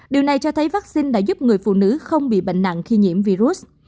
điều này cho thấy vaccine đã giúp người phụ nữ không bị bệnh nặng khi nhiễm virus